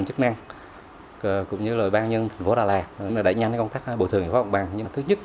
dự án xây dựng đường vánh đai thành phố đà lạt sau khi hoàn thành